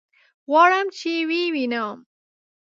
غواړم چې ويې وينم.